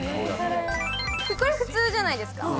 これ普通じゃないですか。